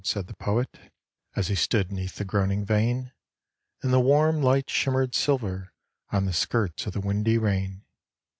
" said the poet, As he stood 'neath the groaning vane, And the warm lights shimmered silver On the skirts of the windy rain.